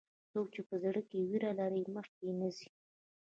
څوک چې په زړه کې ویره لري، مخکې نه ځي.